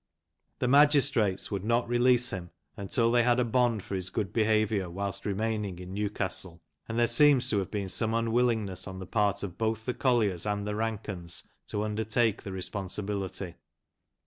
The magistrates would not release him until they had a bond for his good behaviour whilst remaining in Newcastle, and there seems to have been some unwillingness on the part of both the Colliers and the Rankens to undertake the responsibility.